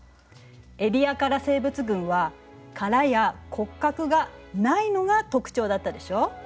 エディアカラ生物群は殻や骨格がないのが特徴だったでしょ？